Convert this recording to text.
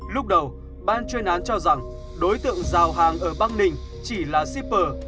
lúc đầu ban chuyên án cho rằng đối tượng giao hàng ở bắc ninh chỉ là shipper